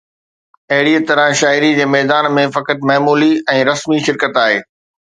اهڙيءَ طرح شاعريءَ جي ميدان ۾ فقط معمولي ۽ رسمي شرڪت آهي